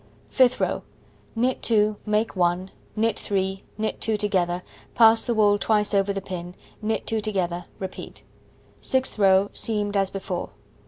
Fifth row: Knit 2, make 1, knit 3, knit 2 together, pass the wool twice over the pin, knit 2 together, repeat. Sixth row: Seamed as before.